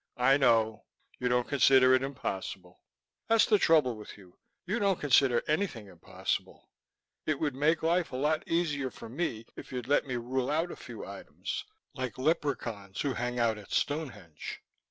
"I know; you don't consider it impossible. That's the trouble with you; you don't consider anything impossible. It would make life a lot easier for me if you'd let me rule out a few items like leprechauns who hang out at Stonehenge."